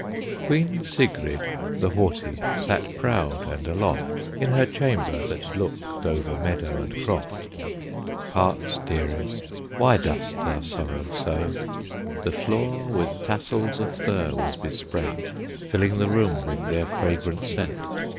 Queen Sigrid the Haughty sat proud and aloft In her chamber, that looked over meadow and croft. Heart's dearest, Why dost thou sorrow so? The floor with tassels of fir was besprent, Filling the room with their fragrant scent.